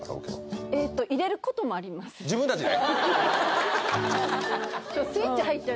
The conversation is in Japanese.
自分たちで？